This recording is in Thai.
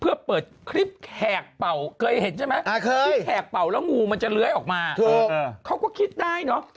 เพื่อเปิดคลิปแขกเป่าเคยเห็นใช่ไหมที่แขกเป่าแล้วงูมันจะเลื้อยออกมาเขาก็คิดได้เนอะ